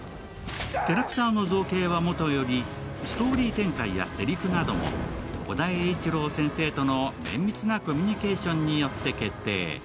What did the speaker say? キャラクターの造形はもとより、ストーリー展開やせりふなども尾田栄一郎先生との綿密なコミュニケーションによって決定。